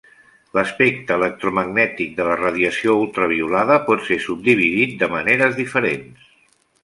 L'espectre electromagnètic de la radiació ultraviolada pot ser subdividit de maneres diferents.